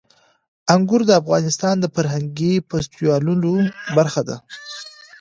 انګور د افغانستان د فرهنګي فستیوالونو برخه ده.